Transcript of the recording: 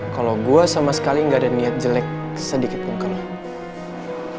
kalau gue sama sekali gak ada niat jelek sedikit pun ke lo